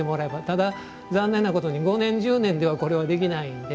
ただ残念なことに５年１０年ではこれはできないんで。